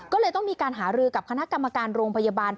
ก็เลยต้องมีการหารือกับคณะกรรมการโรงพยาบาล